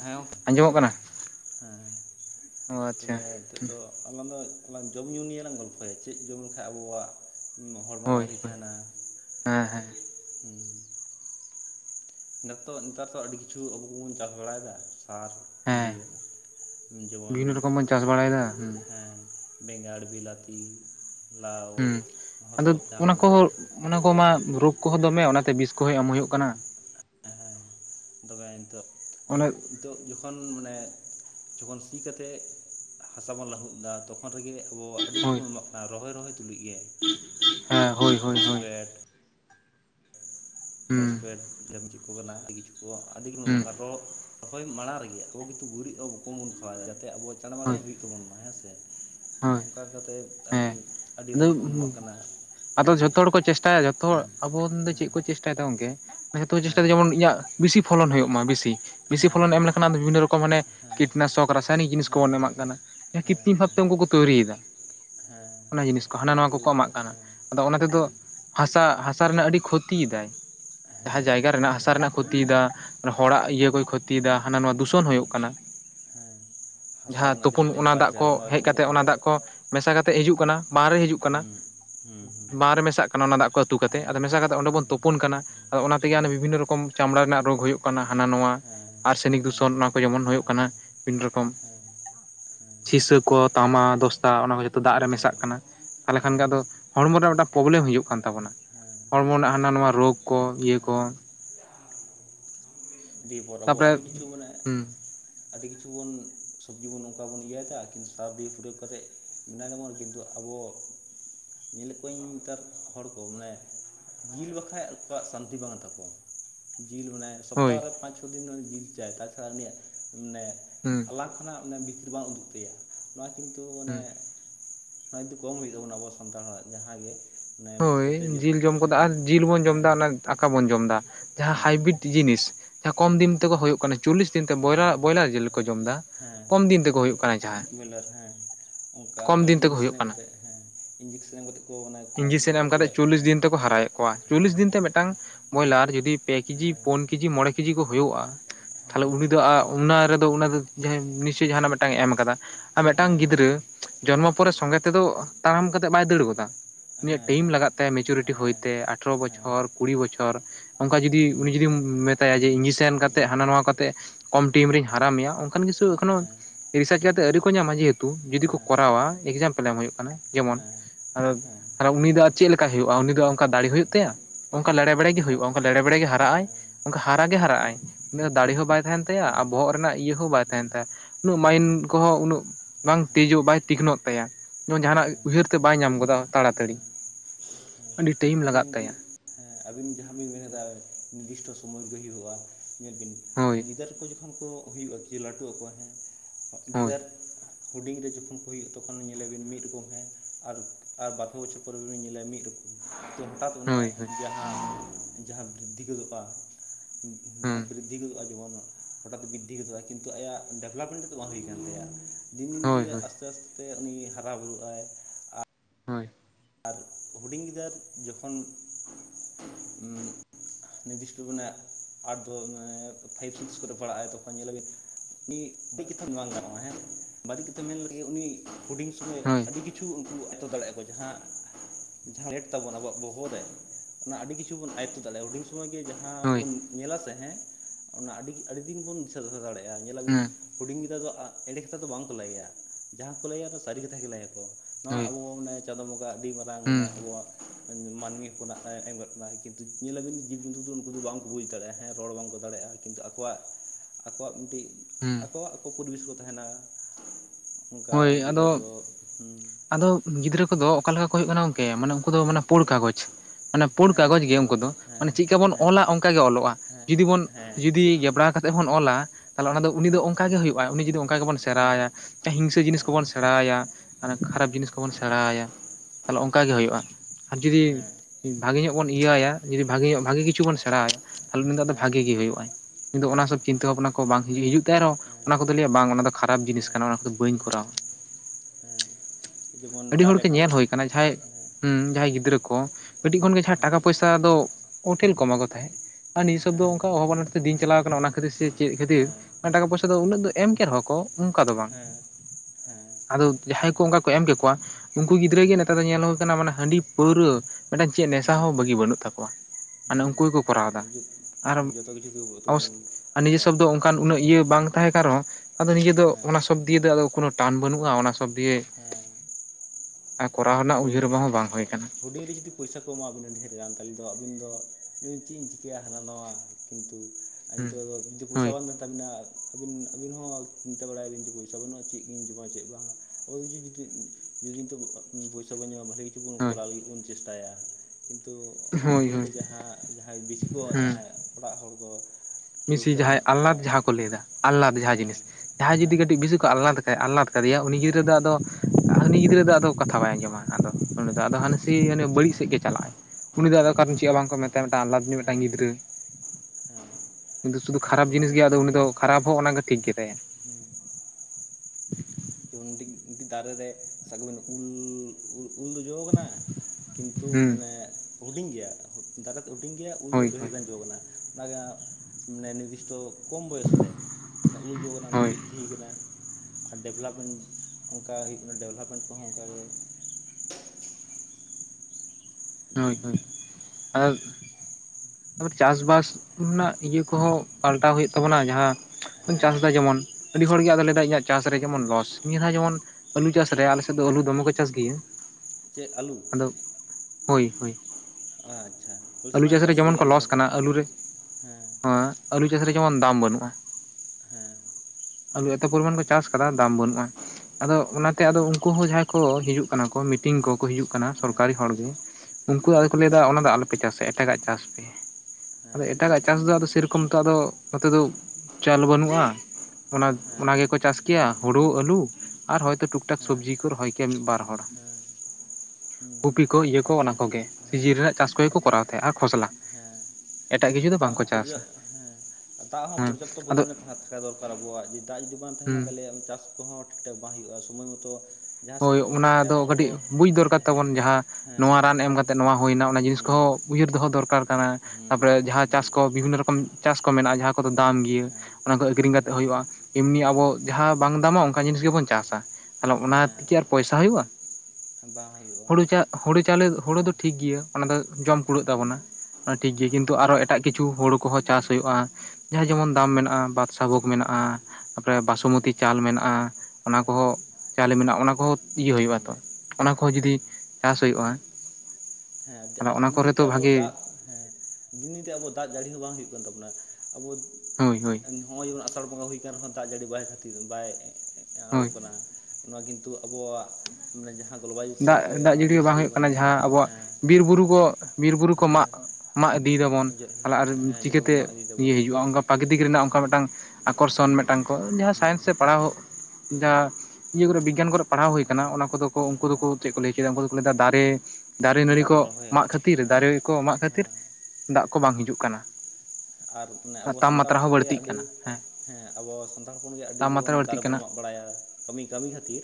ᱦᱮᱸ ᱜᱚᱢᱠᱮ ᱟᱸᱡᱚᱢᱚᱜ ᱠᱟᱱᱟ ᱮᱸ ᱚ ᱟᱪᱪᱷᱟ [unintelligible] ᱦᱮ ᱛᱟᱦᱚᱞᱮ [unintelligible] ᱛᱚ ᱟᱞᱟᱝ ᱫᱚᱞᱟᱝ ᱡᱚᱢᱼᱧᱩ ᱱᱤᱭᱮᱞᱟᱝ ᱜᱚᱞᱯᱚᱭᱟ ᱪᱮᱫ ᱡᱚᱢ ᱞᱮᱠᱷᱟᱱᱡ ᱟᱵᱚᱣᱟᱜ ᱦᱚᱲᱢᱚ ᱠᱚ ᱦᱳᱭ ᱵᱷᱟᱹᱜᱮ ᱦᱳᱭ ᱛᱟᱦᱮᱱᱟ᱾ ᱦᱮᱸ ᱦᱮᱸ ᱱᱤᱛᱚᱜ ᱱᱮᱛᱟᱨ ᱫᱚ ᱟᱹᱰᱤ ᱠᱤᱪᱷᱩ ᱟᱵᱚ ᱠᱚᱵᱚᱱ ᱪᱟᱥ ᱵᱟᱲᱟᱭᱮᱫᱟ, ᱥᱟᱨ ᱦᱮᱸ ᱫᱤᱭᱮ ᱡᱮᱢᱚᱱ ᱵᱤᱵᱷᱤᱱᱚ ᱨᱚᱠᱚᱢ ᱵᱚᱱ ᱪᱟᱥ ᱵᱟᱲᱟᱭ ᱫᱟ᱾ ᱦᱮᱸ ᱵᱮᱸᱜᱟᱲ ᱵᱤᱞᱟᱛᱤ ᱞᱟᱣ ᱦᱩᱸ ᱟᱫᱚ ᱦᱚᱛᱚᱫ ᱡᱟᱦᱟᱸ ᱠᱚ ᱚᱱᱟ ᱢᱮᱛᱟᱜᱼᱟ᱾ ᱠᱚᱦᱚᱸ ᱚᱱᱟ ᱠᱚᱢᱟ ᱨᱳᱜᱽ ᱠᱚᱦᱚᱸ ᱫᱚᱢᱮ ᱚᱱᱟᱛᱮ ᱵᱤᱥ ᱠᱚᱦᱚᱸ ᱮᱢ ᱦᱩᱭᱩᱜ ᱠᱟᱱᱟ᱾ ᱦᱮᱸ ᱛᱚᱵᱮ ᱱᱤᱛᱚᱜ ᱚᱱᱮ ᱱᱤᱛᱚᱜ ᱡᱚᱠᱷᱚᱱ ᱢᱟᱱᱮ ᱡᱚᱠᱷᱚᱱ ᱥᱤ ᱠᱟᱛᱮᱜ ᱦᱟᱥᱟ ᱵᱚᱱ ᱞᱟᱹᱦᱩᱫ ᱮᱟ ᱛᱚᱠᱷᱚᱱ ᱨᱮᱜᱮ ᱚ ᱟᱹᱰᱤ ᱠᱤᱪᱷᱩ ᱦᱳᱭ ᱵᱚᱱ ᱮᱢᱟᱜ ᱠᱟᱱᱟ ᱨᱚᱦᱚᱭ ᱨᱚᱦᱚᱭ ᱛᱩᱞᱩᱡ ᱜᱮ ᱾ ᱦᱮᱸ [unintelligible] ᱦᱳᱭ ᱦᱳᱭ ᱦᱳᱭ᱾ ᱦᱩᱸ ᱯᱷᱚᱥᱯᱮᱰ ᱡᱮᱪᱮᱫ ᱠᱚ ᱠᱟᱱᱟ ᱟᱹᱰᱤ ᱠᱤᱪᱷᱩ ᱠᱚ ᱟᱹᱰᱤ ᱧᱚᱜ ᱦᱩᱸ ᱠᱟᱱᱟ ᱨᱳᱜ ᱦᱚᱭ ᱢᱟᱲᱟᱝ ᱨᱮᱜᱮ ᱟᱵᱚ ᱠᱤᱱᱛᱩ ᱜᱩᱨᱤᱡ ᱦᱚᱸ ᱠᱚᱢ ᱵᱚᱱ ᱠᱷᱟᱣᱟᱣ ᱮᱫᱟ ᱡᱟᱛᱮ ᱟᱵᱚ ᱪᱟᱬ ᱢᱟᱲᱮ ᱦᱳᱭ ᱦᱩᱭᱩᱜ ᱛᱟᱵᱚᱱ ᱢᱟ ᱦᱮᱸ ᱥᱮ᱾ ᱦᱳᱭ᱾ ᱚᱱᱠᱟ ᱠᱟᱛᱮᱫ ᱟᱹᱰᱤ ᱦᱮᱸ ᱟᱹᱰᱤ ᱨᱳᱜᱽ ᱵᱚᱱ ᱮᱢᱟᱜ ᱠᱟᱱᱟ [unintelligible] ᱟᱫᱚ ᱦᱩᱸ ᱡᱷᱚᱛᱚ ᱦᱚᱲ ᱠᱚ ᱪᱮᱥᱴᱟᱭᱟ ᱡᱷᱚᱛᱚ ᱦᱚᱲ ᱦᱩᱸ ᱟᱵᱚ ᱫᱚ ᱪᱮᱫ ᱦᱮᱸ ᱠᱚ ᱪᱮᱥᱴᱟᱭᱮᱫᱟ ᱜᱚᱝᱠᱮ? ᱡᱚᱛᱚ ᱪᱮᱥᱴᱟ ᱦᱮᱸ ᱡᱮᱢᱚᱱ ᱤᱧᱟᱹᱜ ᱵᱮᱥᱤ ᱯᱷᱚᱞᱚᱱ ᱦᱩᱭᱩᱜ ᱢᱟ ᱵᱮᱥᱤ ᱵᱮᱥᱤ ᱦᱮᱸ ᱯᱷᱚᱞᱚᱱ ᱮᱢ ᱞᱮᱠᱷᱟᱱ ᱵᱤᱵᱤᱱᱱᱚ ᱨᱚᱠᱚᱢ ᱦᱟᱱᱮ ᱦᱮᱸ ᱠᱤᱴᱱᱟᱥᱚᱠ ᱨᱟᱥᱟᱭᱚᱱᱤᱠ ᱡᱤᱱᱤᱥ ᱠᱚᱵᱚᱱ ᱦᱮᱸ ᱮᱢᱟᱜ ᱠᱟᱱᱟ ᱡᱟᱦᱟᱸ ᱦᱮᱸ ᱠᱤᱛᱛᱤᱢ ᱦᱮᱸ ᱵᱷᱟᱵᱛᱮ ᱩᱱᱠᱩ ᱠᱚ ᱛᱚᱭᱨᱤᱭᱮᱫᱟ᱾ ᱦᱮᱸ ᱚᱱᱟ ᱡᱤᱱᱤᱥ ᱠᱚ ᱦᱟᱱᱟ ᱱᱟ ᱠᱤᱱᱛᱩ ᱠᱚᱠᱚ ᱮᱢᱟᱜ ᱠᱟᱱᱟ ᱦᱮᱸ ᱟᱫᱚ ᱚᱱᱟ ᱛᱮᱫᱚ ᱦᱩᱸ ᱦᱟᱥᱟ ᱦᱟᱥᱟ ᱨᱮᱱᱟᱜ ᱟᱹᱰᱤ ᱠᱷᱚᱛᱤ ᱫᱟᱭ᱾ ᱡᱟᱦᱟᱸ ᱦᱮᱸ ᱡᱟᱭᱜᱟ ᱨᱮᱱᱟᱜ ᱦᱟᱥᱟ ᱡᱟᱦᱟᱸ ᱨᱮᱱᱟᱜ ᱦᱮᱸ ᱠᱷᱚᱛᱤ ᱫᱟ ᱦᱚᱲᱟᱜ ᱤᱭᱟᱹ ᱠᱚᱭ ᱠᱷᱚᱛᱤᱭ ᱫᱟ ᱦᱟᱱᱟ ᱱᱚᱣᱟ ᱫᱩᱥᱚᱱ ᱦᱮᱸ ᱦᱩᱭᱩᱜ ᱠᱟᱱᱟ᱾ ᱦᱮᱸ ᱦᱟᱥᱟ ᱡᱟᱦᱟᱸ ᱨᱮᱱᱟᱜ ᱛᱩᱯᱩᱱ ᱚᱱᱟ ᱫᱟᱜ ᱴᱮᱢᱯᱟᱨᱮᱪᱟᱨ ᱠᱚ ᱚᱱᱟ ᱦᱮᱡ ᱠᱚᱢᱚᱜ ᱠᱟᱛᱮ ᱚᱱᱟ ᱠᱟᱱᱟ ᱫᱟᱜ ᱠᱚ ᱢᱮᱥᱟ ᱠᱟᱛᱮ ᱦᱤᱡᱩᱜ ᱠᱟᱱᱟ᱾ ᱵᱟᱦᱨᱮ ᱦᱤᱡᱩᱜ ᱠᱟᱱᱟ, ᱦᱩᱸ ᱦᱩᱸ ᱦᱩᱸ ᱵᱟᱦ ᱨᱮ ᱢᱮᱥᱟᱜ ᱠᱟᱱᱟ ᱚᱱᱟ ᱫᱟᱜ ᱠᱚ ᱟᱹᱛᱩ ᱠᱟᱛᱮ ᱦᱮᱸ ᱟᱨ ᱢᱮᱥᱟ ᱠᱟᱛᱮ ᱚᱸᱰᱮ ᱵᱚᱱ ᱦᱮᱸ ᱛᱩᱯᱩᱱ ᱠᱟᱱᱟ᱾ ᱟᱫᱚ ᱚᱱᱟ ᱛᱮᱜᱮ ᱦᱮᱸ ᱵᱤᱵᱷᱤᱱᱚ ᱨᱚᱠᱚᱢ ᱪᱟᱢᱲᱟ ᱨᱮᱱᱟᱜ ᱨᱳᱜᱽ ᱦᱩᱭᱩᱜ ᱠᱟᱱᱟ ᱦᱟᱱᱟ ᱱᱚᱣᱟ ᱦᱮᱸ ᱟᱨᱥᱮᱱᱤᱠ ᱦᱮᱸ ᱫᱷᱩᱥᱚᱱ ᱱᱚᱣᱟ ᱠᱚ ᱡᱮᱢᱚᱱ ᱦᱩᱭᱩᱜ ᱦᱮᱸ ᱠᱟᱱᱟ ᱵᱤᱱ ᱨᱚᱠᱚᱢ ᱦᱮᱸ ᱦᱮᱸ ᱦᱮᱸ ᱥᱤᱥᱟᱹ ᱠᱚ ᱟᱨ ᱛᱟᱢᱟ, ᱫᱚᱥᱛᱟ ᱚᱱᱟ ᱠᱚ ᱡᱚᱛᱚ ᱫᱟᱜ ᱨᱮ ᱢᱮᱥᱟᱜ ᱦᱮᱸ ᱠᱟᱱᱟ ᱾ ᱛᱟᱦᱚᱞᱮ ᱠᱷᱟᱱ ᱜᱮ ᱦᱮᱸ ᱟᱫᱚ ᱦᱚᱲᱢᱚ ᱨᱮ ᱢᱤᱫᱴᱟᱜ ᱯᱨᱚᱵᱞᱮᱢ ᱦᱩᱭᱩᱜ ᱠᱟᱱ ᱦᱮᱸ ᱛᱟᱵᱚᱱᱟ᱾ ᱦᱮᱸ ᱦᱚᱲᱢᱚ ᱨᱮᱱᱟᱜ ᱦᱟᱱᱟ ᱱᱟᱣᱟ ᱨᱳᱜ ᱠᱚ ᱤᱭᱟᱹ ᱠᱚ ᱦᱮᱸ ᱾ ᱵᱤᱯᱚᱫ ᱟᱵᱚ ᱟᱹᱰᱤ ᱛᱟᱯᱚᱨᱮ ᱠᱤᱪᱷᱩ ᱢᱟᱱᱮ ᱦᱩᱸ ᱟᱹᱰᱤ ᱠᱤᱪᱷᱩ ᱵᱚᱱ ᱥᱚᱵᱡᱤ ᱵᱚᱱ ᱚᱱᱠᱟ ᱵᱚᱱ ᱤᱭᱟᱹᱭᱮᱫᱟ ᱠᱤᱱᱛᱩ ᱛᱟᱨ ᱫᱮ ᱯᱩᱨᱟᱹᱣ ᱠᱟᱛᱮᱫ ᱢᱮᱱ ᱟᱵᱚᱱ ᱠᱤᱱᱛᱩ ᱟᱵᱚ ᱧᱮᱞᱮᱫ ᱠᱚᱣᱟᱧ ᱱᱮᱛᱟᱨ ᱦᱚᱲ ᱠᱚ ᱢᱟᱱᱮ ᱡᱤᱞ ᱵᱟᱠᱷᱷᱟᱡ ᱟᱠᱚᱣᱟᱜ ᱥᱟᱱᱛᱤ ᱵᱟᱝ ᱛᱟᱠᱚᱣᱟ ᱡᱤᱞ ᱢᱟᱱᱮ ᱥᱚᱯᱛᱟᱦ ᱦᱳᱭ ᱨᱮ ᱯᱟᱸᱪ ᱪᱷᱚᱤᱱ ᱩᱱᱤ ᱡᱤᱞ ᱡᱟᱭ ᱛᱟᱪᱷᱟᱲᱟ ᱩᱱᱤᱭᱟᱜ ᱢᱟᱱᱮ ᱦᱩᱸ᱾ [inaudible] ᱠᱷᱚᱱᱟᱜ ᱢᱟᱱᱮ ᱵᱷᱤᱛᱤᱨ ᱵᱟᱝ ᱩᱫᱩᱜ ᱛᱟᱭᱟ ᱱᱚᱣᱟ ᱠᱤᱱᱛᱩ ᱚᱱᱮ ᱦᱩᱸ ᱱᱚᱣᱟ ᱠᱤᱱᱛᱩ ᱠᱚᱢ ᱦᱩᱭᱩᱜ ᱛᱟᱵᱚᱱᱟ ᱟᱵᱚ ᱥᱟᱱᱛᱟᱲ ᱦᱚᱲᱟᱜ ᱡᱟᱦᱟᱸᱜ ᱜᱮ᱾ ᱢᱟᱱᱮ ᱦᱚᱭ ᱡᱟᱛᱮ ᱡᱮ ᱡᱤᱞ ᱡᱚᱢ ᱠᱟᱫᱟ ᱦᱮᱸ ᱟᱨ ᱡᱤᱞ ᱵᱚᱱ ᱡᱚᱢ ᱦᱮᱸ ᱮᱫᱟ ᱚᱱᱟ ᱟᱠᱟᱸᱠᱟ ᱵᱚᱱ ᱡᱚᱢᱫᱟ ᱡᱟᱦᱟᱸ ᱦᱩᱸ ᱦᱟᱭᱵᱤᱨᱤᱴ ᱡᱤᱱᱤᱥ ᱡᱟᱦᱟᱸ ᱠᱚᱢ ᱦᱩᱸ ᱫᱤᱱ ᱛᱮᱠᱚ ᱦᱩᱭᱩᱜ ᱠᱟᱱᱟ ᱪᱚᱞᱤᱥ ᱫᱤᱱ ᱛᱮᱚᱭᱟᱨ ᱦᱮᱸ ᱵᱚᱭᱞᱟᱨ ᱡᱤᱞ ᱠᱚ ᱦᱮᱸ ᱡᱚᱢ ᱫᱟ, ᱠᱚᱢ ᱫᱤᱱ ᱛᱮᱜ ᱦᱩᱭᱩᱜ ᱠᱟᱱᱟ ᱡᱟᱦᱟᱸ ᱵᱮᱞᱟᱨ ᱦᱮᱸ ᱚᱱᱠᱟ ᱠᱚᱢ ᱫᱤᱱ ᱛᱮᱠᱚ ᱤᱧᱡᱮᱠᱥᱚᱱ ᱦᱩᱭᱩᱜ ᱮᱢ ᱠᱟᱱᱟ ᱠᱟᱛᱮ ᱦᱮᱸ ᱤᱧᱡᱮᱠᱥᱚᱱ ᱮᱢ ᱠᱟᱛᱮ ᱤᱧᱡᱮᱠᱥ ᱮᱢ ᱠᱟᱛᱮᱫ ᱪᱚᱞᱤᱥ ᱫᱤᱱ ᱛᱮᱠᱚ ᱦᱟᱨᱟᱭᱚᱜᱼᱟ ᱾ ᱣᱟ ᱪᱚᱞᱤᱥ ᱦᱮᱸ ᱫᱤᱱ ᱛᱮ ᱢᱤᱫᱴᱟᱝ ᱵᱚᱭᱞᱟᱨ ᱡᱩᱫᱤ ᱯᱮ ᱠᱮᱡᱤ ᱦᱮᱸ ᱯᱩᱱ ᱠᱮᱡᱤ ᱢᱚᱬᱮ ᱠᱮᱡᱤ ᱠᱚ ᱦᱩᱭᱩᱜᱼᱟ᱾ ᱛᱟᱦᱞᱮ ᱦᱮᱸ ᱩᱱᱤ ᱫᱚ ᱚᱱᱟ ᱨᱮᱫᱚ ᱚᱱᱟ ᱫᱚ ᱱᱤᱥᱪ ᱡᱟᱦᱟᱱᱟᱜ ᱢᱤᱫᱴᱟᱝ ᱮᱢ ᱠᱟᱫᱟ᱾ ᱟᱨ ᱢᱤᱫᱴᱟᱝ ᱜᱤᱫᱽᱨᱟᱹ ᱡᱚᱱᱚᱢ ᱯᱚᱨᱮ ᱥᱚᱸᱜᱮ ᱛᱮᱫᱚ ᱛᱟᱲᱟᱢ ᱠᱟᱛᱮᱫ ᱵᱟᱭ ᱫᱟᱹᱲ ᱜᱚᱫᱟ᱾ ᱦᱮᱸ ᱩᱱᱤᱭᱟᱜ ᱦᱮᱸ ᱴᱟᱭᱤᱢ ᱞᱟᱜᱟᱣᱜ ᱛᱟᱭᱟ ᱢᱮᱪᱩᱨᱤᱴᱤ ᱦᱮᱸ ᱦᱩᱭᱛᱮ ᱟᱴᱷᱨᱚ ᱦᱮᱸ ᱵᱚᱪᱷᱚᱨ, ᱠᱩᱲᱤ ᱵᱚᱪᱷᱚᱨ ᱚᱱᱠᱟ ᱡᱩᱫᱤ ᱩᱱᱤ ᱦᱩᱸ ᱡᱩᱫᱤᱢ ᱢᱮᱛᱟᱭᱟ ᱦᱮᱸ ᱡᱮ ᱦᱮᱸ ᱦᱮᱸ ᱦᱮᱸ ᱤᱧᱡᱮᱠᱥᱮᱱ ᱠᱟᱛᱮᱜ ᱦᱟᱱᱟ ᱱᱟᱣᱟ ᱠᱟᱛᱮᱫ ᱠᱚᱢ ᱴᱤᱢ ᱨᱤᱧ ᱦᱟᱨᱟ ᱢᱮᱭᱟ ᱚᱱᱠᱟᱱ ᱠᱤᱪᱷᱩ ᱮᱠᱷᱚᱱᱚ ᱨᱤᱥᱟᱨᱪ ᱠᱟᱛᱮ ᱟᱹᱣᱨᱤ ᱠᱚ ᱧᱟᱢᱟ ᱡᱮᱦᱮᱛᱩ ᱡᱩᱫᱤ ᱠᱚᱨᱟᱣᱟ ᱮᱠᱡᱟᱢᱯᱟᱞ ᱮᱢ ᱦᱩᱭᱩᱜ ᱠᱟᱱᱟ ᱡᱮᱢᱚᱱ ᱟᱫᱚ ᱦᱮᱸ ᱦᱮᱸ ᱛᱟᱦᱮ ᱩᱱᱤ ᱫᱚ ᱪᱮᱫᱞᱮᱠᱟ ᱦᱩᱭᱩᱜᱼᱟ ᱩᱱᱤ ᱫᱚ ᱚᱱᱠᱟ ᱫᱟᱲᱮ ᱦᱮᱸ ᱦᱩᱭᱩᱜ ᱛᱟᱭᱟ ᱚᱱᱠᱟ ᱞᱮᱲᱮ ᱵᱮᱲᱮᱜ ᱦᱮᱸ ᱜᱮ ᱦᱩᱭᱩᱜᱼᱟ ᱵᱟᱝ ᱦᱮᱸ ᱚᱱᱠᱟ ᱞᱮᱲᱮ ᱵᱮᱲᱮ ᱜᱮ ᱦᱟᱨᱟᱜ ᱟᱭ ᱦᱮᱸ ᱚᱱᱠᱟ ᱦᱟᱨᱟᱜ ᱜᱮ ᱦᱟᱨᱟᱜᱼ ᱟᱭ᱾ ᱫᱟᱲᱮ ᱦᱚᱸ ᱵᱟᱭ ᱛᱟᱦᱮᱱ ᱛᱟᱭᱟ ᱟᱨ ᱦᱮᱸ ᱵᱚᱦᱚᱜ ᱨᱮᱱᱟᱜ ᱤᱭᱟᱹ ᱦᱚᱸ ᱵᱟᱭ ᱛᱟᱦᱮᱱ ᱛᱟᱭᱟ ᱩᱱᱟᱹᱜ ᱢᱟᱭᱤᱱ ᱠᱚᱦᱚᱸ ᱩᱱᱟᱹᱜ ᱵᱟᱝ ᱦᱮᱸ ᱛᱤᱡᱚᱜ ᱦᱮᱸ ᱵᱟᱭ ᱴᱤᱠᱱᱚᱜ ᱛᱟᱭᱟ ᱡᱟᱦᱟᱱᱟᱜ ᱦᱮᱸ ᱦᱮᱸ ᱩᱭᱦᱟᱹᱨ ᱛᱮ ᱵᱟᱭ ᱧᱟᱢ ᱜᱚᱫᱟ ᱛᱟᱲᱟᱛᱟᱹᱲᱤ ᱦᱮᱸ ᱦᱮᱸ ᱟᱹᱰᱤ ᱴᱟᱭᱤᱢ ᱟᱹᱵᱤᱱ ᱞᱟᱜᱟᱣᱜ ᱢᱤᱫᱴᱤᱡ ᱛᱟᱭᱟ᱾ ᱟᱹᱵᱤᱱ ᱡᱟᱦᱟᱸ ᱵᱤᱱ ᱢᱮᱱᱮᱫᱟ ᱡᱚ ᱥᱚᱢᱚᱭ ᱜᱮ ᱦᱩᱭᱩᱜᱼᱟ᱾ ᱧᱮᱞ ᱵᱤᱱ ᱦᱳᱭ ᱜᱤᱫᱟᱹᱨ ᱠᱚ ᱡᱚᱠᱷᱚᱱ ᱠᱚ ᱦᱩᱭᱩᱜᱼᱟ ᱞᱟᱹᱴᱩᱜ ᱟᱠᱚ ᱦᱮᱸ ᱦᱳᱭ ᱜᱤᱫᱟᱹᱨ ᱦᱩᱰᱤᱧ ᱨᱮ ᱡᱚᱠᱷᱚᱱ ᱠᱚ ᱦᱩᱭᱩᱜᱼᱟ ᱛᱚᱠᱷᱚᱱ ᱧᱮᱞᱮᱭᱟᱵᱤᱱ ᱢᱤᱫ ᱨᱚᱠᱚᱢ ᱦᱮᱸ ᱟᱨ ᱵᱟᱨᱚ ᱵᱚᱪᱷᱚᱨ ᱯᱚᱨᱮᱤᱱᱤᱱ ᱧᱮᱞᱮᱭᱟ ᱢᱤᱫ ᱨᱚᱠᱚᱢ᱾ ᱡᱛᱷᱟᱛ ᱚᱱᱮ ᱦᱳᱭ ᱦᱳᱭ ᱡᱟᱦᱟᱸ ᱡᱟᱦᱟᱸ ᱵᱨᱫᱽᱫᱷᱤ ᱜᱚᱫᱚᱜᱼᱟ᱾ ᱦᱩᱸ ᱡᱟᱦᱟᱸ ᱵᱨᱤᱫᱫᱷᱤ ᱜᱚᱜᱼᱟ ᱡᱮᱢᱚᱱ ᱚᱱᱟ ᱫᱚ ᱵᱤᱫᱽᱫᱷᱤ ᱜᱚᱫᱚᱜᱼᱟ ᱠᱤᱱᱛᱩ ᱟᱭᱟᱜ ᱰᱮᱵᱷᱞᱚᱯᱢᱮᱱᱴ ᱫᱚ ᱵᱟᱝ ᱦᱩᱭ ᱠᱟᱱ ᱛᱟᱭᱟ ᱫᱤᱱ ᱦᱳᱭ ᱫᱤᱱᱛᱮ ᱦᱳᱭ ᱟᱥᱛᱮ ᱟᱥᱛᱮ ᱩᱱᱤ ᱦᱟᱨᱟ ᱵᱩᱨᱩᱜᱼ ᱟᱭ ᱦᱚᱭ ᱦᱩᱰᱤᱧ ᱜᱤᱫᱟᱹᱨ ᱡᱚᱠᱷᱚᱱ ᱱᱤᱨᱫᱤᱥᱴ ᱢᱟᱱ ᱟᱴ ᱫᱚᱟᱱ ᱯᱷᱟᱭᱤᱵᱷ ᱥᱤᱠᱥ ᱠᱚᱨᱮ ᱯᱟᱲᱦᱟᱜᱼᱟ ᱛᱚᱠᱷᱚᱱ ᱧᱮᱞ ᱟᱹᱵᱤᱱ ᱩᱱᱤ ᱠᱟᱹᱴᱤᱡ ᱠᱟᱛᱷᱟ ᱵᱟᱝ ᱜᱟᱱᱚᱜᱼᱟ ᱦᱮᱸ ᱠᱟᱛᱮ ᱢᱮᱱ ᱞᱮ ᱩᱱᱤ ᱦᱩᱰᱤᱧ ᱦᱳᱭ [inaudible] ᱟᱹᱰᱤ ᱠᱤᱪᱷᱩ ᱩᱱᱠᱩ ᱟᱛᱚ ᱫᱟᱲᱮᱭᱟᱜᱼᱟ ᱠᱚ ᱡᱟᱦᱟᱸ ᱡᱟᱦᱟᱸ ᱨᱮᱴ ᱛᱟᱵᱚᱱ ᱟᱵᱚᱣᱟᱜ ᱵᱚᱦᱚᱜ ᱨᱮ ᱚᱱᱟ ᱟᱹᱰᱤ ᱠᱤᱪᱷᱩ ᱵᱚᱱ ᱦᱟᱭᱛ ᱫᱟᱲᱮᱭᱟᱜᱼᱟ ᱦᱩᱰᱤᱧ ᱥᱚᱢᱚᱭ ᱜᱮ ᱡᱟᱦᱟᱸ ᱦᱳᱭ ᱦᱳᱭ ᱵᱚᱱ ᱧᱮᱞᱟᱥᱮ ᱦᱮᱸ ᱚᱱᱟ ᱟᱹᱰᱤ ᱟᱹᱰᱤ ᱫᱤᱱ ᱵᱚᱱ ᱫᱤᱥᱟᱹ ᱫᱚᱦᱚ ᱫᱟᱲᱮᱭᱟᱜᱼᱟ ᱧᱮᱞᱟᱵᱤᱱ ᱦᱩᱰᱤᱝ ᱜᱤᱫᱟᱹ ᱫᱚ ᱮᱸᱰᱮ ᱠᱟᱛᱷᱟ ᱫᱚ ᱵᱟᱝᱠᱚ ᱞᱟᱹᱭᱟ ᱡᱟᱦᱟᱸ ᱠᱚ ᱞᱟᱹᱭᱟ ᱥᱟᱹᱨᱤ ᱠᱟᱛᱷᱟ ᱜᱮ ᱞᱟᱹᱭᱟᱠᱚ ᱱᱚᱣᱟ ᱦᱳᱭ ᱟᱵᱚ ᱢᱟᱱᱮ ᱪᱟᱸᱫᱚ ᱵᱚᱸᱜᱟ ᱟᱹᱰᱤ ᱢᱟᱨᱟᱝ ᱦᱩᱸ ᱢᱟᱱᱮ ᱟᱵᱚᱣᱟᱜ ᱢᱟᱹᱱᱢᱤ ᱦᱚᱯᱚᱱᱟᱜ ᱮᱢ ᱠᱟᱜ ᱵᱚᱱᱟ ᱧᱮᱞᱟᱵᱤᱱ ᱡᱤᱵᱽᱼᱡᱚᱱᱛᱩ ᱫᱚ ᱩᱱᱠᱩ ᱫᱚ ᱵᱟᱝᱠᱚ ᱵᱩᱡᱽ ᱫᱟᱲᱮᱭᱟᱜᱼᱟ ᱦᱮᱸ ᱨᱚᱲ ᱵᱟᱝᱠᱚ ᱫᱟᱲᱮᱭᱟᱜᱼᱟ ᱠᱤᱱᱛᱩ ᱟᱠᱚᱣᱟᱜ ᱟᱠᱚᱣᱟᱜ ᱢᱤᱫᱴᱮᱱ ᱦᱩᱸ ᱟᱠᱚᱣᱟᱜ ᱠᱚ ᱯᱚᱨᱤᱵᱮᱥ ᱠᱚ ᱛᱟᱦᱮᱱᱟ᱾ ᱦᱳᱭ ᱚᱱᱠᱟ ᱟᱫᱚ ᱜᱤᱫᱟᱹᱨ ᱠᱚᱫᱚ ᱦᱩᱸ ᱟᱫᱚ ᱜᱤᱫᱽᱨᱟᱹ ᱠᱚᱫᱚ ᱚᱠᱟ ᱞᱮᱠᱟ ᱠᱚ ᱦᱳᱜ ᱠᱟᱱᱟ ᱜᱚᱝᱠᱮ ᱢᱟᱱᱮ ᱩᱱᱠᱩ ᱫᱚ ᱢᱟᱱᱮ ᱯᱳᱲ ᱦᱩᱸ ᱠᱟᱜᱚᱡᱽ᱾ ᱢᱟᱱᱮ ᱯᱩᱲ ᱦᱮᱸ ᱠᱟᱜᱚᱡᱽ ᱯᱩᱱ ᱜᱮ ᱩᱱᱠᱩ ᱫᱚ ᱵᱟᱡᱮ ᱢᱟᱱᱮ ᱦᱮᱸ ᱪᱮᱫᱠᱟ ᱵᱚᱱ ᱦᱮᱸ ᱚᱞᱟ ᱚᱱᱠᱟ ᱜᱮ ᱚᱞᱚᱜᱼᱟ ᱦᱮᱸ ᱡᱩᱫᱤ ᱵᱚᱱ ᱦᱮᱸ ᱡᱩᱫᱤ ᱡᱮᱯᱲᱟᱣᱛ ᱵᱚᱱ ᱚᱞᱟ ᱛᱟᱦᱚᱞᱮ ᱚᱱᱟ ᱫᱚ ᱩᱱᱤ ᱫᱚ ᱦᱮᱸ ᱚᱱᱠᱟ ᱜᱮ ᱦᱩᱭᱩᱜᱼᱟ ᱩᱱᱤ ᱡᱩᱫᱤ ᱚᱱᱠᱟ ᱦᱮᱸ ᱜᱮᱵᱚᱱ ᱦᱮᱸ ᱥᱮᱨᱟᱭᱟ᱾ ᱦᱤᱝᱥᱟᱹ ᱡᱤᱱᱤᱥ ᱦᱮᱸ ᱠᱚᱵᱚᱱ ᱥᱮᱬᱟᱣ ᱟᱭᱟ ᱢᱟᱱᱮ ᱠᱷᱟᱨᱟᱯ ᱦᱮᱸ ᱡᱤᱱᱤᱥ ᱠᱚᱵᱚᱱ ᱥᱮᱬᱟᱣ ᱟᱭᱟ ᱛᱟᱦᱚᱞᱮ ᱚᱱᱠᱟ ᱜᱮ ᱦᱩᱭᱩᱜᱼᱟ᱾ ᱟᱨ ᱡᱩᱫᱤ ᱵᱷᱟᱜᱤ ᱧᱚᱜ ᱵᱚᱱ ᱤᱭᱟᱹᱭᱟ ᱡᱩᱫᱤ ᱵᱷᱟᱜᱤ ᱧᱚᱜ ᱵᱷᱟᱜᱤ ᱠᱤᱪᱷᱩ ᱵᱚᱱ ᱥᱮᱬᱟᱣᱟᱭᱟ ᱛᱟᱦᱚᱞᱮ ᱩᱱᱤ ᱫᱚ ᱵᱷᱟᱜᱤ ᱜᱮ ᱦᱩᱭᱩᱜᱼᱟ ᱠᱤᱱᱛᱩ ᱚᱱᱟ ᱥᱚᱵ ᱪᱤᱱᱛᱟᱹ ᱵᱷᱟᱵᱽᱱᱟ ᱠᱚ ᱵᱟᱝ ᱦᱤᱡᱩᱜ ᱦᱤᱡᱩᱜ ᱛᱟᱭ ᱨᱮᱦᱚᱸ ᱚᱱᱟ ᱠᱚᱫᱚ ᱞᱟᱹᱭᱟ ᱵᱟᱝ ᱚᱱᱟ ᱫᱚ ᱠᱷᱟᱨᱟᱯ ᱡᱤᱱᱤᱥ ᱠᱟᱱᱟ ᱵᱟᱹᱧ ᱠᱚᱨᱟᱣᱟ ᱡᱮᱢᱚᱱ ᱟᱹᱰᱤ ᱦᱚᱲ ᱫᱟᱨᱮ ᱜᱮ ᱯᱟᱞᱟ ᱧᱮᱞ ᱦᱩᱭ ᱟᱠᱟᱱᱟ ᱡᱟᱦᱟᱸᱭ ᱡᱟᱦᱟᱸᱭ ᱜᱤᱫᱽᱨᱟᱹ ᱠᱚ ᱠᱟᱹᱴᱤᱡ ᱠᱷᱚᱱ ᱜᱮ ᱡᱟᱦᱟᱸ ᱴᱟᱠᱟ ᱯᱚᱭᱥᱟ [inaudible] ᱫᱚ ᱩᱴᱮᱞ ᱠᱚ ᱮᱢᱟ ᱠᱚ ᱛᱟᱦᱮᱸᱫ ᱟᱨ ᱱᱤᱥᱟᱹᱵᱽ ᱫᱚ ᱚᱱᱠᱟ ᱚᱦᱟᱵ [inaudible] ᱥᱮ ᱫᱤᱱ ᱪᱟᱞᱟᱣ ᱟᱠᱟᱱᱟ ᱚᱱᱟ ᱠᱷᱟᱹᱛᱤᱨ ᱥᱮ ᱪᱮᱫ ᱠᱷᱟᱹᱛᱤᱨ ᱴᱟᱠᱟ ᱯᱚᱭᱥᱟ ᱫᱚ ᱩᱱᱟᱹᱜ ᱫᱚ ᱮᱢ ᱠᱮᱫ ᱨᱮᱦᱚᱸ ᱠᱚ ᱚᱱᱠᱟ ᱫᱚ ᱵᱟᱝ ᱟᱫᱚ ᱡᱟᱦᱟᱸᱭ ᱠᱚ ᱚᱱᱠᱟ ᱠᱚ ᱮᱢ ᱠᱮᱠᱚᱣᱟ ᱩᱱᱠᱩ ᱜᱤᱫᱽᱨᱟᱹᱮ ᱱᱮᱛᱟᱨ ᱫᱚ ᱧᱮᱞ ᱦᱩᱭ ᱠᱟᱱᱟ ᱢᱟᱱᱮ ᱦᱟᱺᱰᱤ ᱯᱟᱹᱣᱨᱟᱹ ᱢᱤᱫᱴᱟᱝ ᱪᱮᱫ ᱱᱮᱥᱟ ᱦᱚᱸ ᱵᱷᱟᱹᱜᱤ ᱵᱟᱹᱱᱩᱜ ᱛᱟᱠᱚᱣᱟ᱾ ᱢᱟᱱᱮ ᱩᱱᱠᱩ ᱜᱮᱠᱚ ᱠᱚᱨᱟᱣ ᱮᱫᱟ᱾ ᱟᱨ ᱡᱚᱛᱚ ᱠᱤᱪᱷᱩ ᱛᱮᱜᱮ [inaudible] ᱱᱤᱡᱮ ᱠᱚ ᱥᱚᱵᱫᱚ ᱚᱱᱠᱟᱱ ᱩᱱᱟᱹᱜ ᱤᱭᱟᱹ ᱵᱟᱝ ᱦᱮᱸ ᱛᱟᱦᱮᱸ ᱠᱟᱱ ᱨᱮᱦᱚᱸ ᱟᱫᱚ ᱱᱤᱡᱮ ᱫᱚ ᱚᱱᱟ ᱥᱚᱵ ᱦᱮᱸ ᱫᱤᱭᱮ ᱫᱚ ᱟᱫᱚ ᱠᱳᱱᱳ ᱴᱟᱱ ᱵᱟᱹᱱᱩᱜᱼᱟ ᱚᱱᱟ ᱥᱚᱵ ᱫᱤᱭᱮ [unintelligible] ᱠᱚᱨᱟᱣ ᱨᱮᱱᱟᱜ ᱩᱭᱦᱟᱹᱨ ᱧᱮᱞ ᱵᱟᱝ ᱦᱚᱸ ᱵᱟᱝ ᱦᱩᱭ ᱟᱠᱟᱱᱟ᱾ ᱦᱩᱰᱤᱧ ᱨᱮ ᱡᱩᱫᱤ ᱯᱚᱭᱥᱟ ᱠᱚ ᱮᱢᱟᱵᱱᱟ ᱟᱹᱰᱤ ᱰᱷᱮᱨ ᱨᱟᱱᱛᱟᱲᱤ ᱫᱚ ᱟᱹᱵᱤᱱ ᱫᱚ ᱤᱧ ᱪᱮᱫ ᱤᱧ ᱪᱤᱠᱟᱹᱭᱟ ᱦᱟᱱᱟ ᱱᱟᱣᱟ ᱠᱤᱱᱛᱩ ᱟ ᱦᱩᱸ ᱱᱤᱛᱚᱜ ᱫᱚ ᱯᱚᱭᱥᱟ ᱦᱳᱭ ᱛᱟᱵᱮᱱᱟ ᱟᱹᱵᱤᱱ ᱟᱹᱵᱤᱱ ᱦᱚᱸ ᱪᱤᱱᱛᱟᱹ ᱵᱟᱲᱟᱭ ᱟᱹᱞᱤᱧ ᱡᱮ ᱯᱚᱭᱥᱟ ᱵᱟᱹᱱᱩᱜᱼᱟ ᱪᱮᱫ ᱜᱤᱧ ᱡᱚᱢᱟ ᱪᱮᱫ ᱜᱮ ᱵᱟᱝ ᱟᱵᱚ ᱠᱤᱪᱷᱩ ᱡᱩᱫᱤ ᱡᱩᱫᱤ ᱱᱤᱛᱚ ᱯᱚᱭᱥᱟ ᱵᱚᱱ ᱧᱟᱢᱟ ᱵᱷᱟᱜᱞᱤ ᱠᱤᱪᱷᱩ ᱵᱚᱱ ᱦᱳᱭ ᱠᱚᱨᱟᱣ ᱞᱟᱹᱜᱤᱫ ᱵᱚᱱ ᱪᱮᱥᱴᱟᱭᱟ ᱠᱤᱱᱛᱩ ᱚᱱᱟ ᱦᱳᱭ ᱦᱳᱭ ᱦᱩᱰᱤᱧᱨᱮ ᱡᱟᱦᱟᱸ ᱡᱟᱦᱟᱸᱭ ᱵᱮᱥᱤ ᱠᱚ ᱡᱟᱦᱟᱸᱭ ᱚᱲᱟᱜ ᱦᱚᱲ ᱫᱚ ᱢᱤᱥᱤ ᱡᱟᱦᱟᱸᱭ ᱟᱞᱞᱟᱫᱽ ᱡᱟᱦᱟᱸ ᱠᱚ ᱞᱟᱹᱭᱟ ᱟᱞᱞᱟᱫᱽ ᱦᱮᱸ ᱡᱟᱦᱟᱸ ᱦᱮᱸ ᱡᱤᱱᱤᱥ ᱡᱟᱦᱟᱸᱭ ᱡᱩᱫᱤ ᱦᱮᱸ ᱠᱟᱹᱴᱤᱡ ᱦᱮᱸ ᱵᱮᱥᱤ ᱠᱚ ᱟᱞᱞᱟᱫᱽ ᱠᱷᱟᱭ ᱟᱞᱞᱟᱫᱽ ᱠᱟᱫᱮᱭᱟ ᱩᱱᱤ ᱦᱮᱸ ᱜᱤᱫᱽᱨᱟᱹ ᱫᱚ ᱟᱫᱚ ᱦᱮᱸ ᱦᱮᱸ ᱩᱱᱤ ᱜᱤᱫᱽᱨᱟᱹ ᱫᱚ ᱟᱫᱚ ᱠᱟᱛᱷᱟ ᱵᱟᱭ ᱟᱸᱡᱚᱢᱟ ᱟᱫᱚ ᱫᱚ ᱦᱮᱸ ᱟᱫᱚ ᱦᱟᱱᱥ ᱵᱟᱹᱲᱤᱡ ᱥᱮᱫ ᱜᱮ ᱪᱟᱞᱟᱜᱼ ᱟᱭ᱾ ᱩᱱᱤ ᱫᱚ ᱟᱫᱚ ᱦᱮᱸ ᱠᱟᱨᱚᱱ ᱪᱮᱫ ᱦᱚᱸ ᱵᱟᱝ ᱠᱚ ᱢᱮᱛᱟᱭ ᱢᱤᱫᱴᱟᱝ ᱟᱞᱟᱫᱟ ᱨᱤᱱ ᱢᱤᱫᱴᱟᱝ ᱦᱮᱸ ᱜᱤᱫᱽᱨᱟᱹ [unintelligible] ᱠᱤᱱᱛᱩ ᱥᱩᱫᱩ ᱠᱷᱟᱨᱟᱯ ᱡᱤᱱᱤᱥ ᱜᱮ ᱟᱫᱚ ᱩᱱᱤ ᱫᱚ ᱠᱷᱟᱨᱟᱯ ᱦᱚᱸ ᱚᱱᱟ ᱜᱮ ᱴᱷᱤᱠ ᱜᱮ ᱛᱟᱭᱟ᱾ [inaudible] ᱡᱩᱫᱤ ᱫᱟᱨᱮ ᱨᱮ ᱥᱟᱜᱩᱱ ᱩᱞ ᱩᱞ ᱫᱚ ᱡᱚ ᱟᱠᱟᱱᱟ ᱠᱤᱱᱛᱩ ᱦᱩᱸ ᱢᱟᱱᱮ ᱦᱩᱰᱤᱧ ᱜᱮᱭᱟ᱾ ᱫᱟᱨᱮ ᱫᱚ ᱦᱩᱴᱤᱧ ᱜᱮᱭᱟ ᱩᱞ ᱫᱚ ᱦᱳᱭ ᱫᱟᱹᱦᱤ ᱦᱳᱭ ᱜᱟᱱ ᱡᱚ ᱟᱠᱟᱱᱟ, ᱚᱱᱟᱜᱮ ᱢᱟᱱᱮ ᱱᱤᱨᱫᱤᱥᱴᱚ ᱠᱚᱢ ᱵᱚᱭᱚᱥ ᱨᱮ ᱩᱞ ᱡᱚ ᱟᱠᱟᱱᱟ ᱦᱳᱭ ᱵᱤᱫᱽᱫᱷᱤ ᱟᱠᱟᱱᱟ ᱟᱨ ᱰᱮᱵᱷᱞᱚᱯᱢᱮᱱᱴ ᱚᱱᱠᱟ ᱦᱩᱭᱩᱜ ᱠᱟᱱᱟ ᱰᱮᱵᱷᱞᱚᱯᱢᱮᱱᱴ ᱠᱚᱦᱚᱸ ᱚᱱᱠᱟᱜ ᱜᱮ ᱦᱚᱭ ᱦᱚᱭ ᱟᱨ ᱛᱟᱯᱚᱨ ᱪᱟᱥᱵᱟᱥ ᱨᱮᱱᱟᱜ ᱤᱭᱟᱹ ᱠᱚᱦᱚᱸ ᱯᱟᱞᱴᱟᱣ ᱦᱩᱭᱩᱜ ᱛᱟᱵᱚᱱᱟ ᱡᱟᱦᱟᱸ ᱪᱟᱥ ᱦᱮᱸ ᱫᱟᱭ ᱡᱮᱢᱚᱱ ᱟᱹᱰᱤ ᱦᱚᱲᱜᱮ ᱟᱫᱚ ᱞᱟᱹᱭᱫᱟ ᱤᱧᱟᱹᱜ ᱪᱟᱥᱨᱮ ᱡᱮᱢᱚᱱ ᱞᱚᱥ ᱱᱤᱭᱟᱹ ᱫᱷᱟᱣ ᱡᱮᱢᱚᱱ ᱟᱞᱩ ᱪᱟᱥ ᱨᱮ ᱟᱞᱮ ᱥᱮᱫ ᱫᱚ ᱟᱹᱞᱩ ᱫᱚᱢᱮ ᱠᱚ ᱪᱟᱥ ᱜᱮᱭᱟ᱾ ᱪᱮᱫ ᱟᱞᱩ? ᱟᱫᱚ ᱦᱳᱭ ᱦᱳᱭ᱾ ᱟᱪᱪᱷᱟ ᱟᱹᱞᱩ ᱛᱩᱭᱥᱟ ᱦᱚᱸ ᱪᱟᱥ ᱨᱮ ᱡᱮᱢᱚᱱ ᱜᱮ ᱠᱚ ᱦᱩᱭᱩᱜᱼᱟ ᱞᱚᱥ ᱠᱟᱱᱟ ᱢᱚᱴᱟᱢᱩᱴᱤ ᱟᱹᱞᱩ ᱨᱮ ᱦᱮᱸ ᱦᱚᱸ ᱟᱹᱞᱩ ᱪᱟᱥ ᱨᱮ ᱡᱮᱢᱚᱱ ᱫᱟᱢ ᱵᱟᱹᱱᱩᱜᱼᱟ᱾ ᱦᱮᱸ ᱟᱞᱩ ᱮᱛᱚ ᱯᱚᱨᱤᱢᱟᱱ ᱠᱚ ᱪᱟᱥ ᱠᱟᱫᱟ ᱫᱟᱢ ᱵᱟᱹᱱᱩᱜᱼᱟ ᱾ ᱟᱫᱚ ᱚᱱᱟᱛᱮ ᱟᱫᱚ ᱦᱮᱸ ᱩᱱᱠᱩ ᱦᱚᱸ ᱡᱟᱦᱟᱸᱭ ᱠᱚ ᱦᱤᱡᱩᱜ ᱠᱟᱱᱟ ᱠᱚ ᱢᱤᱴᱤᱝ ᱠᱚᱠᱚ ᱦᱤᱡᱩᱜ ᱠᱟᱱᱟ ᱦᱮᱸ ᱥᱚᱨᱠᱟᱨᱤ ᱦᱚᱲ ᱜᱮ ᱾ ᱩᱱᱠᱩ ᱚ ᱟᱫᱚ ᱦᱮᱸ ᱞᱟᱹᱭ ᱮᱫᱟ ᱚᱱᱟᱫᱚ ᱟᱞᱚᱯᱮ ᱪᱟᱥᱟ, ᱮᱴᱟᱜᱟᱜ ᱪᱟᱥ ᱯᱮ ᱾ ᱟᱫᱚ ᱦᱮᱸ ᱮᱴᱟᱜᱟᱜ ᱪᱟᱥ ᱫᱚ ᱥᱮᱨᱚᱠᱚᱢ ᱛᱚ ᱟᱫᱚ ᱱᱚᱛᱮ ᱫᱚ ᱪᱟᱞ ᱵᱟᱹᱱᱩᱜᱼᱟ ᱾ ᱚᱱᱟᱫ-ᱚᱱᱟ ᱦᱮᱸ ᱜᱮᱠᱚ ᱪᱟᱥ ᱠᱮᱭᱟ ᱦᱩᱲᱩ ᱟᱹᱞᱩ ᱾ ᱟᱨ ᱦᱚᱭᱛᱳ ᱴᱩᱠ ᱴᱟᱠ ᱦᱮᱸ ᱥᱚᱵᱽᱡᱤ ᱠᱚ ᱨᱚᱦᱚᱭ ᱠᱮᱭᱟ ᱢᱤᱫ ᱵᱟᱨ ᱦᱚᱲ ᱾ ᱦᱮᱸ ᱦᱩᱸ ᱠᱩᱯᱤ ᱠᱚ ᱤᱭᱟᱹ ᱠᱚ ᱟᱨ ᱚᱱᱟ ᱡᱟᱦᱟᱸ ᱠᱚᱜᱮ ᱥᱤᱡᱤᱱ ᱦᱮᱸ ᱨᱮᱱᱟᱜ ᱪᱟᱥ ᱠᱚᱜᱮ ᱟᱨ ᱠᱚ ᱫᱟᱜ ᱠᱚᱨᱟᱣ ᱛᱟᱦᱮᱸᱜ ᱟᱨ ᱠᱷᱚᱥᱞᱟ᱾ ᱦᱮᱸ ᱮᱴᱟᱜ ᱠᱤᱪᱷᱩ ᱫᱚ ᱫᱟᱜ ᱵᱟᱝᱠᱚ ᱦᱚᱸ ᱯᱚᱨᱡᱟ ᱪᱟᱥᱟ-ᱟ, ᱦᱮᱸ ᱦᱩᱸ ᱟᱫᱚ ᱠᱟ ᱫᱚᱨᱠᱟᱨ ᱟᱵᱚᱣᱟᱜ ᱡᱮ ᱫᱟᱜ ᱦᱩᱸ ᱛᱟᱦᱮᱱᱟ ᱛᱟᱦᱚᱞᱮ ᱪᱟᱥ ᱠᱚᱦᱚᱸ ᱴᱷᱤᱠ ᱴᱷᱟᱠ ᱵᱟᱝ ᱦᱩᱭᱩᱜᱼᱟ ᱥᱚᱢᱚᱭ ᱢᱚᱛᱚ ᱡᱟᱦᱟᱸ ᱦᱳᱭ ᱥᱚᱵᱽᱡᱤ ᱵᱚᱱ ᱚᱱᱟ ᱨᱚᱦᱚᱭᱟ ᱫᱚ ᱟᱵᱚ ᱠᱟᱹᱴᱤᱡ ᱵᱩᱡ ᱫᱚᱨᱠᱟᱨ ᱦᱮᱸ ᱛᱟᱵᱚᱱ ᱡᱟᱦᱟᱸ ᱦᱮᱸ ᱱᱚᱣᱟ ᱨᱟᱱ ᱮᱢ ᱠᱟᱛᱮ ᱱᱚᱣᱟ ᱦᱩᱭᱱᱟ ᱚᱱᱟ ᱡᱤᱱᱤᱥ ᱦᱩᱸ ᱠᱚᱦᱚᱸ ᱩᱭᱦᱟᱹᱨ ᱫᱚᱦᱚ ᱫᱚᱨᱠᱟᱨ ᱠᱟᱱᱟ ᱦᱩᱸ ᱛᱟᱯᱚᱨᱮ ᱡᱟᱦᱟᱸ ᱦᱩᱸ ᱪᱟᱥ ᱠᱚ ᱵᱤᱵᱷᱤᱱᱱᱚ ᱨᱚᱠᱚᱢ ᱪᱟᱥ ᱠᱚ ᱢᱮᱱᱟᱜᱼᱟ ᱡᱟᱦᱟᱸ ᱠᱚᱫᱚ ᱫᱟᱢ ᱜᱤᱭᱟᱹ᱾ ᱦᱮᱸ ᱚᱱᱟ ᱫᱚ ᱟᱹᱠᱷᱨᱤᱧ ᱠᱟᱛᱮᱜ ᱦᱮᱸ ᱦᱩᱭᱩᱜᱼᱟ ᱮᱢᱱᱤ ᱟᱵᱚ ᱡᱟᱦᱟᱸ ᱵᱟᱝ ᱫᱟᱢᱟ ᱚᱱᱠᱟ ᱡᱤᱱᱤᱥ ᱜᱮᱵᱚᱱ ᱪᱟᱥᱟ ᱾ ᱛᱟᱦᱚᱞᱮ ᱚᱱᱟ ᱦᱮᱸ ᱪᱤ ᱟᱨ ᱯᱚᱭᱥᱟ ᱦᱩᱭᱩᱜᱚᱜᱼᱟ? ᱵᱟᱝ [inaudible] ᱦᱳᱲᱳ-ᱪᱟᱜ ᱦᱳᱲᱳ ᱪᱟᱣᱞᱮ ᱦᱳᱲᱳ ᱦᱮᱸ ᱫᱚ ᱴᱷᱤᱠ ᱜᱤᱭᱟᱹ ᱚᱱᱟ ᱫᱚ ᱡᱚᱢ ᱠᱩᱲᱟᱹᱜ ᱦᱮᱸ ᱛᱟᱵᱚᱱᱟ ᱾ ᱟ ᱴᱷᱤᱠ ᱦᱮᱸ ᱜᱮᱭᱟ ᱠᱤᱱᱛᱩ ᱟᱨᱦᱚᱸ ᱮᱴᱟᱜ ᱠᱤᱪᱷᱩ ᱦᱳᱲᱳ ᱠᱚᱦᱚᱸ ᱪᱟᱥ ᱦᱩᱭᱩᱜᱼᱟ ᱾ ᱡᱟᱦᱟᱸ ᱡᱮᱢᱚᱱ ᱫᱟᱢ ᱦᱮᱸ ᱢᱮᱱᱟᱜᱼᱟ ᱵᱟᱫᱥᱟᱵᱚᱠ ᱦᱮᱸ ᱢᱮᱱᱟᱜᱼᱟ ᱾ ᱛᱟᱯᱚᱨᱮ ᱵᱟᱥᱚᱢᱚᱛᱤ ᱪᱟᱞ ᱢᱮᱱᱟᱜᱼᱟ ᱚᱱᱟ ᱦᱮᱸ ᱠᱚᱦᱚᱸ ᱪᱟᱭᱞᱮ ᱢᱮᱱᱟᱜ ᱾ ᱚᱱᱟ ᱠᱚᱦᱚᱸ ᱤᱭᱟᱹ ᱦᱮᱸ ᱦᱩᱭᱩᱜᱼᱟ ᱦᱩᱸ ᱛᱚ ᱚᱱᱟ ᱠᱚᱦᱚᱸ ᱡᱩᱫᱤ ᱦᱩᱸ ᱪᱟᱥ ᱦᱩᱭᱩᱜᱼᱟ ᱾ ᱦᱮᱸ ᱾ ᱟᱫᱚ ᱚᱱᱟ ᱠᱚᱨᱮ ᱛᱚ ᱵᱷᱟᱜᱮ ᱾ ᱦᱮᱸ ᱾ ᱫᱤᱱ ᱛᱮ ᱟᱵᱚ ᱫᱟᱜ ᱡᱟᱹᱲᱤ ᱦᱚᱸ ᱵᱟᱝ ᱦᱩᱭᱩᱜ ᱠᱟᱱ ᱛᱟᱵᱚᱱᱟ ᱾ ᱟᱵᱚ ᱦᱳᱭ-ᱦᱳᱭ ᱾ ᱱᱚᱜᱼᱚᱭ ᱡᱮᱢᱚᱱ ᱟᱥᱟᱲ ᱵᱚᱸᱜᱟ ᱦᱩᱭ ᱠᱟᱱᱟ ᱨᱮᱦᱚᱸ ᱫᱟᱜ ᱡᱟᱹᱲᱤ ᱵᱟᱦᱟᱭ ᱠᱷᱟᱹᱛᱤ ᱵᱟᱭ ᱮᱦᱚᱜᱚᱜ ᱠᱟᱱᱟ ᱾ ᱱᱚᱣᱟ ᱠᱤᱱᱛᱩ ᱟᱵᱚᱣᱟᱜ ᱾ ᱢᱟᱱᱮ ᱡᱟᱦᱟᱸ ᱫᱚᱞᱚᱵᱟᱭ ᱫᱟᱜ ᱫᱟᱜ ᱡᱟᱹᱲᱤ ᱦᱚᱸ ᱵᱟᱝ ᱦᱩᱭᱩᱜ ᱠᱟᱱᱟ ᱡᱟᱦᱟᱸ ᱟᱵᱚᱣᱟᱜ ᱵᱤᱨ-ᱵᱩᱨᱩ ᱠᱚ ᱵᱤᱨ-ᱵᱩᱨᱩ ᱠᱚ ᱦᱮᱸ ᱢᱟᱜᱽ, ᱢᱟᱜᱽ ᱤᱫᱤᱭ ᱫᱟᱵᱚᱱ ᱦᱮᱸ ᱛᱟᱦᱚᱞᱮ ᱟᱨ ᱦᱮᱸ ᱪᱤᱠᱟᱹ ᱡᱚᱛᱚ ᱠᱚ ᱛᱮ ᱢᱟᱜ ᱤᱫᱤᱭ ᱤᱭᱟᱹ ᱫᱟᱵᱚᱱ ᱦᱤᱡᱩᱜᱼᱟ ᱚᱱᱠᱟ ᱾ ᱯᱟᱠᱤᱛᱤᱠ ᱨᱮᱱᱟᱜ ᱚᱱᱠᱟ ᱦᱩᱸ ᱢᱤᱫᱴᱟᱝ ᱟᱠᱚᱨᱥᱚᱱ ᱦᱩᱸ ᱢᱤᱫᱴᱟᱝ ᱠᱚ ᱡᱟᱦᱟᱸ ᱦᱩᱸ ᱥᱟᱭᱮᱱᱥ ᱮ ᱯᱟᱲᱦᱟᱣ ᱦᱚᱜ ᱦᱮᱸ ᱡᱟ ᱤᱭᱟᱹ ᱠᱚᱨᱮ ᱵᱤᱜᱽᱜᱟᱱ ᱠᱚᱨᱮ ᱯᱟᱲᱦᱟᱣ ᱦᱩᱭ ᱟᱠᱟᱱᱟ ᱚᱱᱟ ᱠᱚᱫᱚ ᱠᱚ ᱩᱱ ᱠᱩ ᱦᱮᱸ ᱫᱚᱠᱚ ᱪᱮᱜ ᱠᱚ ᱞᱟᱹᱭ ᱠᱮᱫᱟ ᱩᱱᱠᱩ ᱫᱚᱠᱚ ᱞᱟᱹᱭᱟ ᱫᱟᱨᱮ ᱫᱟᱨᱮ ᱦᱮᱸ ᱱᱟᱲᱤ ᱠᱷᱚ ᱨᱚᱦᱚᱭ ᱢᱟᱜᱽ ᱠᱷᱟᱹᱛ ᱛᱤ ᱨᱮ ᱦᱮᱸ ᱫᱟᱨᱮ ᱠᱚ ᱢᱟᱜ ᱠᱷᱟᱹᱛᱤᱨ ᱦᱮᱸ ᱫᱟᱜ ᱠᱚ ᱵᱟᱝ ᱦᱮᱸ ᱦᱤᱡᱩᱜ ᱠᱟᱱᱟ ᱾ ᱟᱨ ᱢᱟᱱᱮ ᱟᱵᱚ ᱥᱟᱱᱛᱟᱲ ᱦᱚᱯᱚᱱ ᱜᱮ ᱵᱟᱹᱲᱛᱤᱜ ᱟᱹᱰᱤ ᱠᱟᱱᱟ ᱦᱮᱸ ᱟᱵᱚ ᱥᱟᱱᱛᱟᱲ ᱦᱚᱯᱚᱱ ᱜᱮ ᱟᱹᱰᱤ ᱜᱮ ᱛᱟᱯᱢᱟᱛᱨᱟ ᱵᱚᱱ ᱫᱟᱨᱮ ᱵᱟᱹᱲᱛᱤᱜ ᱠᱟᱱᱟ ᱵᱚᱱ ᱢᱟᱜ ᱵᱟᱲᱟᱭᱟ ᱾ ᱠᱟᱹᱢᱤ ᱠᱟᱹᱢᱤ ᱠᱷᱟᱹᱛᱤᱨ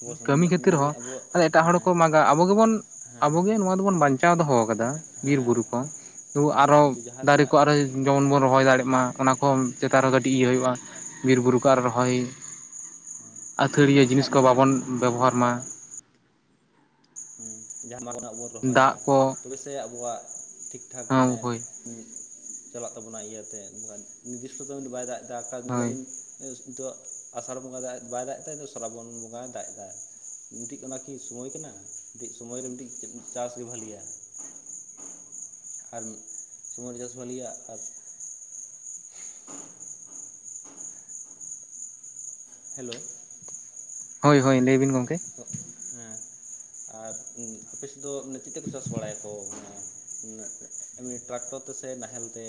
ᱟᱵᱚ ᱠᱟᱹᱢᱤ ᱠᱷᱟᱹᱛᱤᱨ ᱢᱮᱱᱫᱟᱞᱤᱧ ᱦᱚᱸ ᱟᱵᱚ ᱮᱴᱟᱜ ᱦᱚᱲ ᱦᱮᱸ ᱠᱚ ᱢᱟᱜ ᱟ ᱟᱵᱚ ᱜᱮᱵᱚᱱ, ᱦᱮᱸ ᱟᱵᱚ ᱜᱮ ᱱᱚᱣᱟ ᱫᱚᱵᱚᱱ ᱵᱟᱧᱪᱟᱣ ᱟᱠᱟᱫᱟ ᱾ ᱵᱤᱨ ᱦᱮᱸ ᱵᱩᱨᱩ ᱠᱚ, ᱛᱳ ᱦᱮᱸ ᱟᱨᱦᱚ ᱠᱤᱱᱛᱩ ᱡᱟᱦᱟᱸ ᱫᱟᱨᱮ ᱛᱤᱱᱟᱹᱜ ᱠᱚ ᱟᱨᱚᱭ ᱡᱮᱢᱚᱱ ᱵᱚᱱ ᱨᱚᱦᱚᱭ ᱫᱟᱲᱮᱜ ᱦᱮᱸ ᱢᱟ, ᱚᱱᱟ ᱠᱚᱦᱚ ᱪᱮᱛᱟᱱ ᱨᱮ ᱤᱭᱟᱹ ᱦᱩᱭᱩᱜᱼᱟ, ᱵᱤᱨ-ᱵᱩᱨᱩ ᱠᱚ ᱦᱮᱸ ᱨᱚᱦᱚᱭ ᱦᱮᱸ ᱟᱹᱛᱷᱟᱹᱲᱤᱭᱟᱹ ᱡᱟᱦᱟᱸ ᱛᱤᱱᱟᱹᱜ ᱡᱤᱱᱤᱥ ᱠᱚ ᱢᱟᱱᱮ ᱵᱟᱵᱚᱱ ᱵᱮᱵᱚᱦᱟᱨ ᱢᱟ ᱾ ᱦᱩᱸ ᱡᱟᱦᱟᱸ [inaudible] ᱵᱚᱱ ᱨᱚᱦᱚᱭᱟ ᱫᱟᱜ ᱠᱚ ᱛᱚᱵᱮ ᱥᱮ ᱟᱵᱚᱣᱟᱜ ᱴᱷᱤᱠ ᱴᱷᱟᱠ ᱢᱟᱱᱮ ᱦᱳᱭ ᱩᱸ ᱪᱟᱞᱟᱜ ᱛᱟᱵᱚᱱᱟ ᱤᱭᱟᱹ ᱛᱮ ᱱᱚᱣᱟ ᱱᱤᱨᱫᱤᱥᱴᱚ ᱴᱟᱹᱭᱤᱢ ᱫᱚ ᱵᱟᱭ ᱫᱟᱜ ᱫᱟ ᱠᱟ-ᱫᱤᱱ ᱦᱤᱞᱳᱜ ᱦᱳᱭ ᱵᱤᱱ [inaudible] ᱟᱥᱟᱲ ᱵᱚᱸᱜᱟ ᱵᱟᱭ ᱫᱟᱜᱼᱟᱜ ᱛᱮᱫᱚ ᱥᱨᱟᱵᱚᱱ ᱵᱚᱸᱜᱟᱭ ᱫᱟᱜ ᱮᱫᱟ ᱾ ᱢᱤᱴᱤᱡ ᱚᱱᱟᱠᱤ ᱥᱩᱢᱚᱭ ᱠᱟᱱᱟ ᱠᱟᱹᱴᱤᱡ ᱥᱚᱢᱚᱭ ᱨᱮ ᱠᱟᱹᱴᱤᱡ-ᱠᱟᱹᱴᱤᱡ ᱪᱟᱥ ᱜᱮ ᱵᱷᱟᱞᱤᱭᱟ ᱾ ᱟᱨ ᱥᱚᱢᱚᱭ ᱨᱮ [unintelligible] ᱟᱨ ᱦᱮᱞᱚ ᱦᱚᱭ ᱦᱚᱭᱭ ᱞᱟᱹᱭ ᱵᱤᱱ ᱜᱚᱢᱠᱮ ᱦᱮᱸ ᱮᱢᱱᱤ ᱴᱨᱟᱠᱴᱚᱨ ᱛᱮᱥᱮ ᱱᱟᱦᱮᱞ ᱛᱮ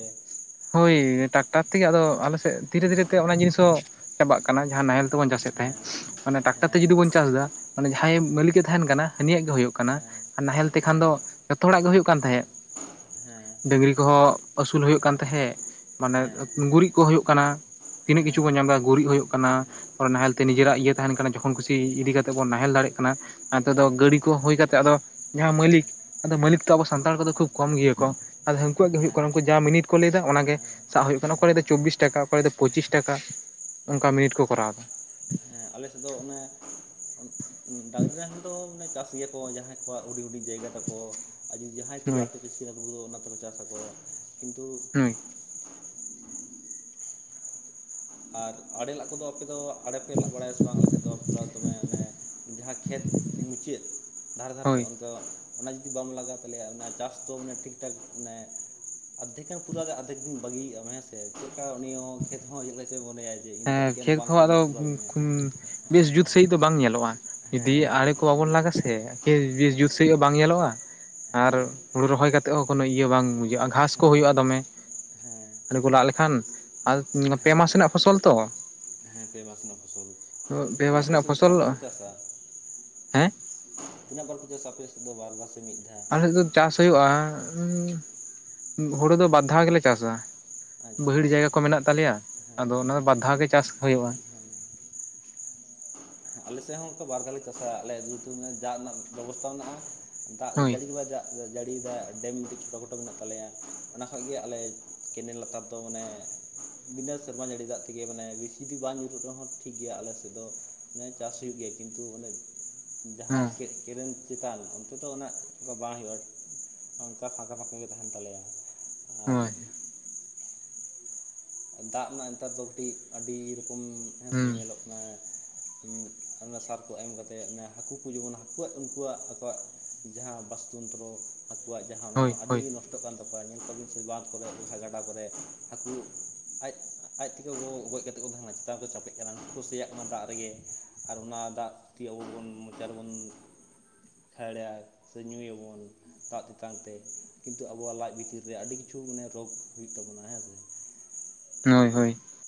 ᱦᱚᱭ ᱴᱟᱠᱴᱟᱨ ᱛᱮ ᱜᱮ ᱟᱫᱚ ᱟᱞᱮᱥᱮᱫ ᱫᱷᱤᱨᱮ ᱫᱷᱤᱨᱮ ᱛᱮ ᱚᱱᱟ ᱡᱤᱱᱤᱥ ᱦᱚᱸ ᱪᱟᱵᱟᱜ ᱠᱟᱱᱟ ᱡᱟᱦᱟ ᱱᱟᱦᱮᱞ ᱛᱮᱵᱚᱱ ᱪᱟᱥ ᱮᱫᱼᱟ ᱛᱟᱦᱮᱱ ᱦᱮᱸ ᱢᱟᱱᱮ ᱴᱟᱠᱴᱚᱨ ᱛᱮ ᱦᱮᱸ ᱡᱩᱫᱤ ᱵᱚᱱ ᱪᱟᱥ ᱫᱟ ᱢᱟᱱᱮ ᱡᱟᱦᱟᱸᱭ ᱮᱢ ᱦᱮᱸ ᱢᱟᱹᱞᱤᱠ ᱛᱟᱦᱮᱱ ᱠᱟᱱᱟ ᱩᱱᱤ ᱭᱟᱜ ᱜᱮ ᱦᱩᱭᱩᱜ ᱦᱮᱸ ᱦᱮᱸ ᱦᱮᱸ ᱦᱮᱸ ᱦᱮᱸ ᱦᱮᱸ ᱦᱮᱸ ᱦᱮᱸ ᱦᱮᱸ ᱦᱮᱸ ᱦᱮᱸ ᱦᱮᱸ ᱦᱮᱸ ᱦᱮᱸ ᱦᱮᱸ ᱦᱮᱸ ᱠᱟᱱᱟ ᱱᱟᱦᱮᱞ ᱛᱮ ᱠᱷᱟᱱ ᱫᱚ ᱡᱚᱛᱚ ᱦᱚᱲᱟᱜ ᱜᱮ ᱦᱳᱣᱳᱜ ᱠᱟᱱ ᱛᱟᱦᱮᱜ, ᱰᱟᱝᱨᱤ ᱠᱚᱦᱚ ᱟᱹᱥᱩᱞ ᱦᱳᱭᱳᱜ ᱠᱟᱱ ᱛᱟᱦᱮᱸᱜ ᱢᱟᱱᱮ ᱜᱩᱨᱤᱡ ᱠᱚ ᱦᱩᱭᱩᱜ ᱠᱟᱱᱟ ᱛᱤᱱᱟᱹᱜ ᱠᱤᱪᱷᱩ ᱵᱚᱱ ᱧᱟᱢᱫᱟ ᱜᱩᱨᱤᱡ ᱦᱩᱭᱩᱜ ᱠᱟᱱᱟ ᱾ ᱚ ᱱᱟᱦᱮᱞ ᱛᱮ ᱱᱤᱡᱮᱨᱟᱜ ᱤᱭᱟᱹ ᱛᱟᱦᱮᱱ ᱠᱟᱱᱟ ᱡᱚᱠᱷᱚᱱ ᱠᱩᱥᱤ ᱤᱫᱤ ᱠᱟᱛᱮᱜ ᱵᱚᱱ ᱱᱟᱦᱮᱞ ᱫᱟᱲᱮᱭᱟᱜ ᱠᱟᱱᱟ ᱾ ᱚᱱᱛᱮ ᱫᱚ ᱜᱟᱹᱲᱤ ᱠᱚ ᱦᱩᱭ ᱠᱟᱛᱮ ᱟᱫᱚ ᱡᱟᱦᱟᱸᱭ ᱢᱟᱹᱞᱤᱠ ᱟᱫᱚ ᱢᱟᱹᱞᱤᱠ ᱛᱚ ᱟᱵᱚ ᱥᱟᱱᱛᱟᱲ ᱠᱚᱫᱚ ᱠᱷᱩᱵ ᱠᱚᱢ ᱜᱮᱭᱟ ᱠᱚ ᱛᱟᱦᱚᱞᱮ ᱦᱟᱱᱠᱩᱣᱟᱜ ᱜᱮ ᱦᱳᱭᱳᱜ ᱦᱮᱸ ᱠᱟᱱᱟ ᱡᱟ ᱢᱤᱱᱤᱴ ᱠᱚ ᱞᱟᱹᱭᱟ ᱚᱱᱟ ᱜᱮ ᱦᱮᱸ ᱦᱮᱸ ᱥᱟᱜ ᱦᱩᱭᱩᱜ ᱠᱟᱱᱟ ᱚᱠᱚᱭ ᱞᱟᱹᱭ ᱫᱟ ᱪᱚᱵᱵᱤᱥ ᱴᱟᱠᱟ ᱚᱠᱚᱭ ᱫᱚ ᱯᱳᱪᱤᱥ ᱴᱟᱠᱟ ᱾ ᱚᱱᱠᱟ ᱢᱤᱱᱤᱴ ᱠᱚ ᱠᱚᱨᱟᱣ ᱫᱟ ᱾ ᱮᱸ ᱟᱞᱮ ᱥᱮᱫ ᱫᱚ ᱚᱱᱮ [inaudible] ᱰᱟᱝᱜᱨᱤ ᱨᱮᱱ ᱫᱚ‌ ᱢᱟᱱᱮ ᱪᱟᱥ ᱜᱮᱭᱟᱠᱚ ᱡᱟᱦᱟᱸᱭ ᱠᱚᱣᱟᱜ ᱦᱩᱰᱤᱧ ᱦᱩᱰᱤᱧ ᱡᱟᱭᱜᱟ ᱛᱟᱠᱚ ᱦᱳᱭ [inaudible] ᱵᱮᱥ‌ᱤ ᱚᱱᱟ ᱛᱮᱠᱚ ᱪᱟᱥ ᱟᱠᱚᱣᱟ ᱠᱤᱱᱛᱩ ᱦᱩᱸ ᱟᱨ ᱟᱲᱮ ᱞᱟᱜ ᱠᱚᱫᱚ ᱟᱯᱮ ᱫᱚ ᱟᱲᱮ ᱯᱮ ᱞᱟᱜ ᱵᱟᱲᱟᱭᱟ ᱥᱮ ᱵᱟᱝ ᱟᱞᱮ ᱥᱮᱫ ᱫᱚ [inaudible] ᱫᱚᱢᱮ ᱢᱟᱱᱮ ᱡᱟᱦᱟᱸ ᱠᱷᱮᱛ ᱢᱩᱪᱟᱹᱫ ᱫᱷᱟᱨᱮ ᱫᱷᱟᱨᱮ ᱛᱮ ᱦᱳᱭ ᱟᱫᱚ ᱚᱱᱟ ᱡᱩᱫᱤ ᱵᱟᱢ ᱞᱟᱜᱟᱣ ᱛᱟᱞᱮᱭᱟ ᱚᱱᱟ ᱪᱟᱥ ᱫᱚ ᱢᱟᱱᱮ ᱴᱷᱤᱠ ᱴᱷᱟᱠ ᱢᱟᱱᱮ ᱟᱫᱷᱟᱠᱟᱱ ᱯᱩᱨᱟᱹ ᱟᱫᱷᱮᱠ ᱫᱤᱱ ᱵᱟᱹᱜᱤᱭᱼᱟ ᱦᱮᱸ ᱥᱮ ᱪᱮᱫ ᱞᱮᱠᱟ ᱩᱱᱤᱭᱚ ᱠᱷᱮᱛ ᱦᱚᱸ ᱪᱮᱫ ᱪᱚ ᱢᱚᱱᱮᱭᱟ ᱡᱮ ᱤᱧ ᱫᱚ ᱦᱮᱸ ᱠᱟᱹᱴᱤᱡ ᱜᱟᱱ ᱠᱷᱮᱛ ᱵᱟᱝᱠᱚ ᱠᱚᱦᱚᱸ ᱟᱫᱚ ᱤᱭᱟᱹ ᱯᱩᱨᱟᱹᱣ ᱞᱤᱧᱟᱹ ᱵᱮᱥ ᱡᱩᱛ ᱦᱮᱸ ᱥᱟᱺᱦᱤᱡ ᱫᱚ ᱵᱟᱝ ᱧᱮᱞᱚᱜᱼᱟ ᱡᱩᱫᱤ ᱦᱮᱸ ᱵᱮᱥ ᱟᱲᱮ ᱠᱚ ᱵᱮᱥ ᱵᱟᱵᱚᱱ ᱞᱟᱜᱟ ᱥᱮ ᱦᱮᱸ ᱦᱮᱸ ᱡᱩᱛ ᱥᱟᱺᱦᱤᱡ ᱦᱚ ᱵᱟᱝ ᱧᱮᱞᱚᱜᱼᱟ ᱦᱮᱸ ᱟᱨ ᱦᱩᱲᱩ ᱨᱚᱦᱚᱭ ᱠᱟᱛᱮᱫ ᱦᱚᱸ ᱠᱚᱱᱚ ᱤᱭᱟᱹ ᱵᱟᱝ ᱵᱩᱡᱷᱟᱹᱜᱼᱟ ᱜᱷᱟᱸᱥ ᱠᱚ ᱦᱮᱸ ᱦᱩᱭᱩᱜᱼᱟ ᱫᱚᱢᱮ ᱦᱮᱸ [inaudible] [unintelligible] ᱠᱚ ᱞᱟᱜ ᱞᱮᱠᱷᱟᱱ ᱟᱨ ᱯᱮ ᱦᱮᱸ ᱢᱟᱥ ᱨᱮᱱᱟᱜ ᱯᱷᱚᱥᱚᱞ ᱛᱚ ᱦᱮᱸ ᱯᱮ ᱢᱟᱥ ᱨᱮᱱᱟᱜ ᱯᱷᱚᱥᱚᱞ ᱯᱮ ᱛᱟᱦᱚᱞᱮ ᱢᱟᱥ ᱟᱯᱮ ᱨᱮᱱᱟᱜ ᱥᱮᱫ ᱫᱚ ᱛᱤᱱᱟᱹᱜ ᱵᱟᱨ ᱯᱷᱚᱥᱚᱞᱜ-ᱟ ᱯᱮ ᱪᱟᱥᱟ ᱦᱮᱸ [unintelligible] ᱛᱮᱦᱮᱧ-ᱟᱜ ᱜᱚᱞᱯᱚ [unintelligible] ᱫᱚ ᱵᱟᱨ ᱟᱥᱮ ᱢᱤᱫ ᱫᱷᱟᱣ ᱟᱞᱮᱥᱮᱫ ᱫᱚ ᱪᱟᱥ ᱦᱩᱭᱩᱜᱼᱟ ᱦᱩᱲᱩ ᱫᱚ ᱵᱟᱨ ᱫᱷᱟᱣ ᱜᱮᱞᱮ ᱪᱟᱥᱟ ᱟᱪᱪᱷᱟ ᱵᱟᱹᱭᱦᱟᱹᱲ ᱡᱟᱭᱜᱟ ᱠᱚ ᱦᱮᱸ ᱢᱮᱱᱟᱜ ᱛᱟᱞᱮᱭᱟ ᱦᱮᱸ ᱟᱫᱚ ᱚᱱᱟ ᱫᱚ ᱵᱟᱨ ᱫᱷᱟᱣ ᱜᱮ ᱪᱟᱥ ᱦᱩᱭᱩᱜᱼᱟ ᱟᱞᱮᱥᱮᱫ ᱦᱚᱸ ᱚᱱᱠᱟ ᱵᱟᱨ ᱫᱷᱟ ᱞᱮ ᱪᱟᱥᱟ ᱟᱞᱮᱛᱩ ᱫᱟᱜ ᱨᱮᱱᱟᱜ ᱵᱮᱵᱚᱥᱛᱟ ᱢᱮᱱᱟᱜᱼᱟ ᱫᱟᱜ ᱦᱳᱭ ᱡᱟᱹᱲᱤ ᱜᱮ ᱵᱟᱭ ᱡᱟ ᱟᱫᱚ ᱡᱟᱹᱲᱤᱭ ᱫᱟᱜ ᱰᱮᱢ ᱪᱷᱚᱴᱚ ᱠᱷᱟᱴᱚ ᱢᱮᱱᱟᱜ ᱛᱟᱞᱮᱭᱟ ᱚᱱᱟ ᱠᱷᱚᱡ ᱜᱮ ᱟᱞᱮ ᱠᱮᱱᱟᱞ ᱞᱟᱛᱟᱨ ᱫᱚ ᱢᱟᱱᱮ ᱵᱤᱱᱟᱹ ᱥᱮᱨᱢᱟ ᱡᱟᱹᱲᱤ ᱫᱟᱜ ᱛᱮᱜᱮ ᱢᱟᱱᱮ ᱵᱮᱥᱤ ᱫᱚ ᱵᱟᱝ ᱧᱩᱨᱩᱜ ᱨᱮᱦᱚᱸ ᱴᱷᱤᱠ ᱜᱮᱭᱟ ᱟᱞᱮ ᱥᱮᱫ ᱫᱚ᱾ ᱢᱮ ᱪᱟᱥ ᱦᱩᱭᱩᱜ ᱜᱮᱭᱟ ᱠᱤᱱᱛᱩ ᱚᱱᱮ ᱦᱳᱭ ᱡᱟᱦᱟᱸ ᱠᱮ ᱠᱤᱨᱤᱧ ᱪᱮᱛᱟᱱ ᱚᱱᱛᱮ ᱫᱚ ᱚᱱᱟ ᱫᱚ ᱵᱟᱝ ᱦᱩᱭᱩᱜᱼᱟ ᱚᱱᱠᱟ ᱯᱷᱟᱸᱠᱟ ᱯᱷᱟᱸᱠᱟ ᱜᱮ ᱛᱟᱦᱮᱱ ᱛᱟᱞᱮᱭᱟ᱾ ᱟᱨ ᱦᱚᱸᱭ ᱫᱟᱜ ᱢᱟ ᱱᱮᱛᱟᱨ ᱫᱚ ᱠᱟᱹᱴᱤᱡ ᱟᱹᱰᱤ ᱨᱚᱠᱚᱢ ᱦᱩᱸ ᱩᱸᱜ ᱚᱱᱟ ᱥᱟᱨ ᱠᱚ ᱮᱢ ᱠᱟᱛᱮᱜ ᱚᱱᱟ ᱦᱟᱹᱠᱩ ᱠᱚ ᱡᱮᱢᱚᱱ ᱦᱟᱹᱠᱩᱟᱜ ᱩᱱᱠᱩᱣᱟᱜ ᱟᱠᱚᱣᱟᱜ ᱡᱟᱦᱟᱸ ᱵᱟᱥᱛᱩᱱᱛᱨᱚ᱾ ᱦᱟᱹᱠᱩᱣᱟᱜ ᱡᱟᱦᱟᱸ ᱦᱳᱭ ᱚᱱᱟ ᱟᱹᱰᱤ ᱦᱳᱭ ᱜᱮ ᱱᱚᱥᱴᱚᱜ ᱠᱟᱱ ᱛᱟᱠᱚᱣᱟ ᱧᱤᱛ ᱦᱟᱵᱤᱡ ᱛᱮ ᱡᱟᱡ ᱠᱚᱨᱮ ᱥᱮ ᱜᱟᱰᱟ ᱠᱚᱨᱮ ᱦᱟᱹᱠᱩ ᱟᱡᱽ ᱟᱡᱽ ᱛᱮᱜᱮ ᱠᱚ ᱜᱚᱡ ᱜᱚᱡ ᱠᱟᱛᱮᱜ ᱠᱚ ᱛᱟᱦᱮᱱ ᱠᱟᱱᱟ ᱪᱮᱛᱟᱱ ᱨᱮ ᱠᱚ ᱪᱟᱯᱮᱜ ᱠᱟᱱᱟ ᱠᱩᱥᱤᱭᱟᱜ ᱠᱟᱱᱟ ᱫᱟᱜ ᱨᱮᱜᱮ᱾ ᱟᱨ ᱚᱱᱟ ᱫᱟᱜ ᱛᱮᱜᱤ ᱟᱵᱩ ᱵᱩᱱ ᱢᱚᱪᱟ ᱨᱮ ᱵᱩᱱ ᱠᱟᱹᱲᱮᱜᱼᱟ ᱥᱮ ᱧᱩᱭ ᱟᱵᱩᱱ᱾ ᱫᱟᱜ ᱛᱮᱛᱟᱝ ᱛᱮ ᱠᱤᱱᱛᱩ ᱟᱵᱚᱣᱟᱜ ᱞᱟᱡ ᱵᱷᱤᱛᱤᱨ ᱨᱮ ᱟᱹᱰᱤ ᱠᱤᱪᱷᱩ ᱢᱟᱱᱮ ᱨᱚᱜᱽ ᱦᱩᱭᱩᱜ ᱛᱟᱵᱚᱱᱟ ᱦᱮᱸᱥᱮ? ᱦᱚᱭ ᱦᱚᱭ